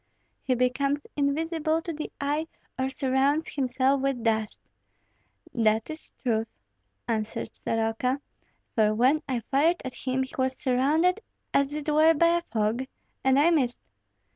He becomes invisible to the eye or surrounds himself with dust " "That is truth," answered Soroka; "for when I fired at him he was surrounded as it were by a fog, and I missed.